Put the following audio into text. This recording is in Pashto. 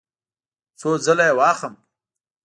څو ځله یی واخلم؟